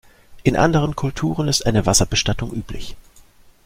In anderen Kulturen ist eine Wasserbestattung üblich.